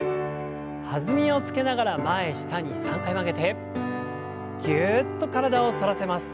弾みをつけながら前下に３回曲げてぎゅっと体を反らせます。